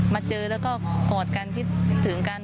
มาเจอแล้วก็กอดกันคิดถึงกัน